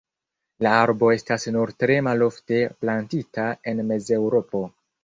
La arbo estas nur tre malofte plantita en Mezeŭropo.